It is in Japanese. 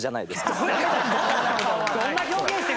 どんな表現して。